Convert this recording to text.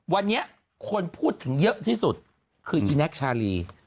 วันนี้คนพูดถึงเยอะที่สุดคืออีแน็กชาลี